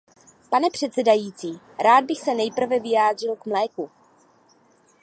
Pane předsedající, rád bych se nejprve vyjádřil k mléku.